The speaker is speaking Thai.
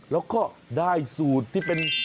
แล้วก็ได้สูตรที่เป็น